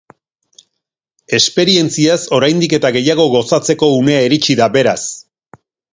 Esperientziaz oraindik eta gehiago gozatzeko unea iritsi da, beraz.